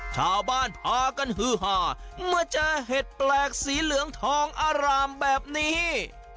ชาวบ้านพากันฮือหาเมื่อเจอเห็ดแปลกสีเหลืองทองอารามแบบนี้